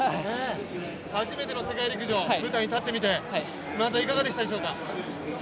初めての世界陸上、舞台に立ってみていかがだったでしょうか。